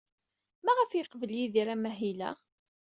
Maɣef ay yeqbel Yidir amahil-a?